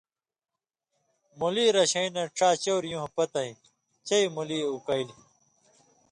مولی رشَیں نہ ڇا چٶر یُون٘ہہۡ پتَیں چئ مُلی اُکئیلیۡ